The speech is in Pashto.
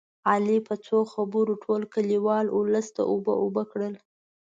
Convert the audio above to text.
علي په څو خبرو ټول کلیوال اولس ته اوبه اوبه کړل